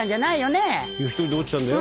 １人で落ちたんだよ？